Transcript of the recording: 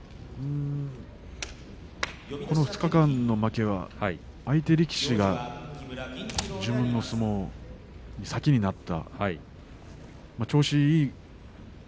この２日間の負けは相手力士が自分の相撲に先になった。